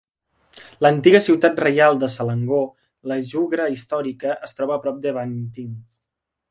L'antiga ciutat reial de Selangor, la Jugra històrica, es troba a prop de Banting.